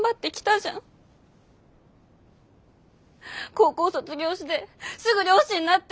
高校卒業してすぐ漁師になって。